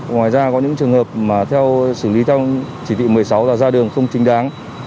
ngoài ra có những trường hợp mà theo xử lý theo chỉ thị một mươi sáu là ra đường không chính đáng